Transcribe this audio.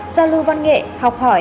giao lưu văn nghệ học hỏi